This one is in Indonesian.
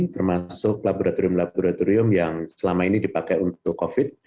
termasuk laboratorium laboratorium yang selama ini dipakai untuk covid